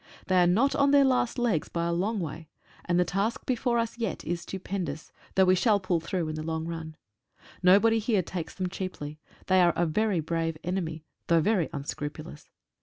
They are not on their last legs by a long way, and the task before us yet is stupendous, though we shall pull through in the long run. Nobody here takes them cheaply. They are a brave enemy, though very unscrupulous.